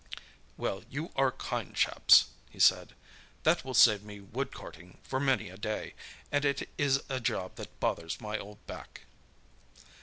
"Well, you are kind chaps," he said. "That will save me wood carting for many a day, and it is a job that bothers my old back."